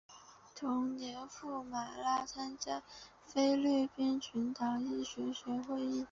同年赴马尼拉参加菲律宾群岛医学会会议。